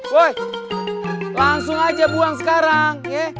woy langsung aja buang sekarang ya